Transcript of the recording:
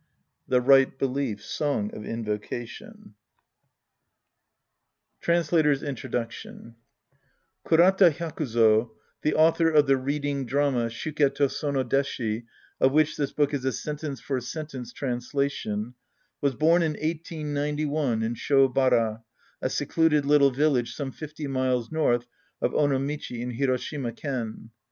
(7%^ Right Belief Song of Invocation^ INTRODUCTION KuRATA Hyakuzo, the author of the reading drama Shukke to Sono Deshi, of which tliis book is a sentence for sentence translation, was born in 1891 in Shobara, a secluded little village some fifty miles north of Onomichi ia Hiroshima Ken.